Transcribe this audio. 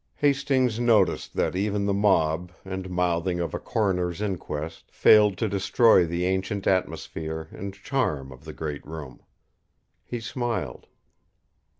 Hastings noticed that even the mob and mouthing of a coroner's inquest failed to destroy the ancient atmosphere and charm of the great room. He smiled.